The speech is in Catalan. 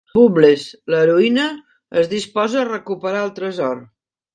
Bubbles, l'heroïna, es disposa a recuperar el tresor.